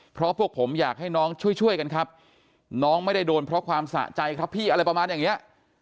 เพราะพวกผมอยากให้น้องช่วยช่วยกันครับน้องไม่ได้โดนเพราะความสะใจครับพี่อะไรประมาณอย่างเนี้ย